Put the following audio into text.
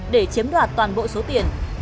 để chiếm đoạt toàn bộ số tiền